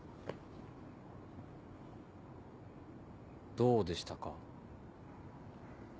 どうでしたか？